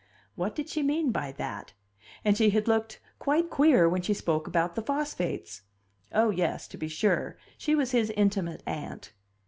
What did she mean by that? And she had looked quite queer when she spoke about the phosphates. Oh, yes, to be sure, she was his intimate aunt!